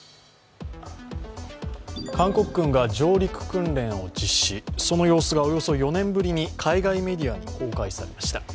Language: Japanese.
韓国軍が上陸訓練を実施、その様子がおよそ４年ぶりに海外メディアに公開されました。